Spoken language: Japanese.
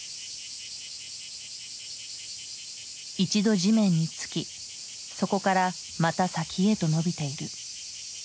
一度地面につきそこからまた先へと伸びている。